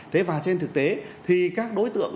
thế và trên thực tế thì các đối tượng